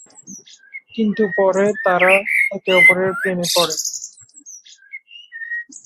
কিন্তু পরে তারা একে অপরের প্রেমে পড়ে।